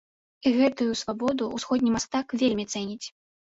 І гэтую свабоду ўсходні мастак вельмі цэніць.